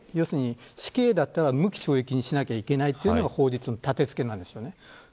要するに死刑だったら無期懲役にしなければいけないというのが法律のたてつけなんです。